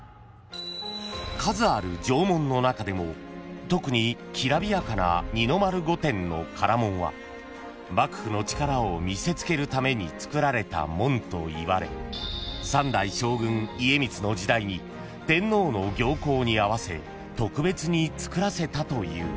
［数ある城門の中でも特にきらびやかな二の丸御殿の唐門は幕府の力を見せつけるために造られた門といわれ三代将軍家光の時代に天皇の行幸に合わせ特別に造らせたという］